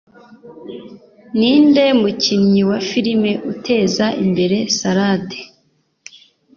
Ninde mukinnyi wa film uteza imbere salade?